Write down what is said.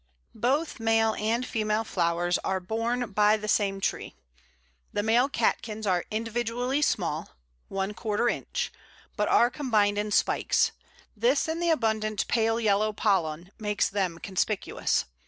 Both male and female flowers are borne by the same tree. The male catkins are individually small (¼ inch), but are combined in spikes; this and the abundant pale yellow pollen makes them conspicuous.